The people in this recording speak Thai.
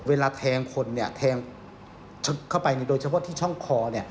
เวลาแทงคนแทงชุดเข้าไปโดยเฉพาะที่ช่องคอ